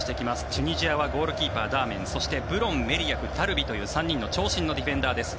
チュニジアはゴールキーパー、ダーメンそして、ブロン、メリアフタルビという３人の長身のディフェンダーです。